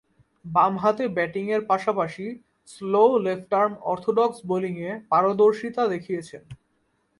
বামহাতে ব্যাটিংয়ের পাশাপাশি স্লো লেফট-আর্ম অর্থোডক্স বোলিংয়ে পারদর্শীতা দেখিয়েছেন।